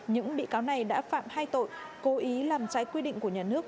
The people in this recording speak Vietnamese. những bị cáo này đã phạm hai tội cố ý làm trái quy định của nhà nước